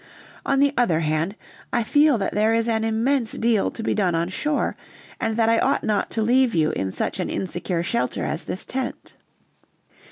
On the other hand, I feel that there is an immense deal to be done on shore, and that I ought not to leave you in such an insecure shelter as this tent."